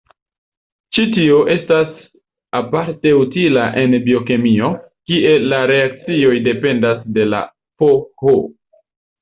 Ĉi tio estas aparte utila en biokemio, kie la reakcioj dependas de la pH.